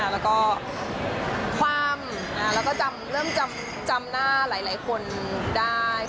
แล้วก็ความเริ่มจำหน้าหลายคนได้